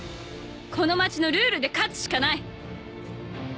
この街のルールで勝つしかない！